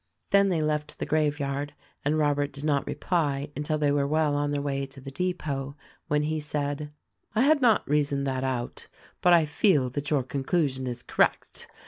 Then they left the graveyard and Robert did not reply until they were well on their way to the depot, when he said : "I had not reasoned that out, but I feel that your conclusion is correct.